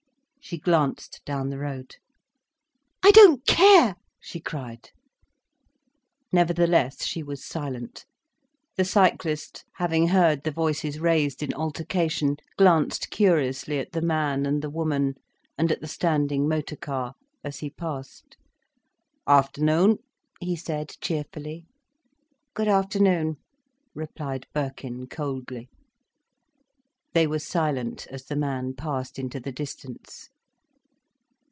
She glanced down the road. "I don't care," she cried. Nevertheless she was silent. The cyclist, having heard the voices raised in altercation, glanced curiously at the man, and the woman, and at the standing motor car as he passed. "—Afternoon," he said, cheerfully. "Good afternoon," replied Birkin coldly. They were silent as the man passed into the distance.